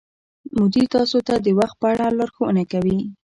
مدیر تاسو ته د وخت په اړه لارښوونه کوي.